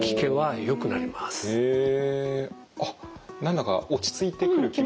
あっ何だか落ち着いてくる気も。